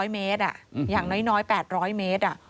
๐เมตรอย่างน้อย๘๐๐เมตร